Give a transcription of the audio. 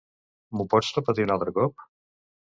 M'ho pots repetir un altre cop?